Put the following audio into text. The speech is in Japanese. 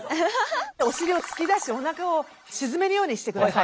お尻を突き出しおなかを沈めるようにしてください。